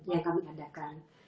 yang kami adakan